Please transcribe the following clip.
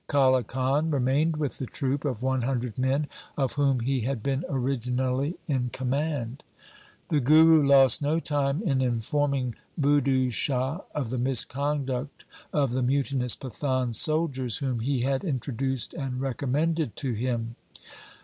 Kale Khan remained with the troop of one hundred men of whom he had been originally in command. The Guru lost no time in informing Budhu Shah of the misconduct of the mutinous Pathan soldiers whom he had introduced and recommended to him.